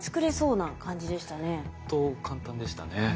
ほんと簡単でしたね。